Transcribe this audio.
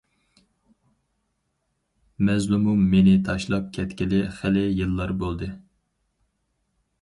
مەزلۇمۇم مېنى تاشلاپ كەتكىلى خېلى يىللار بولدى.